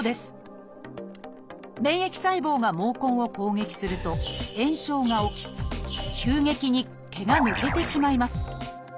免疫細胞が毛根を攻撃すると炎症が起き急激に毛が抜けてしまいます。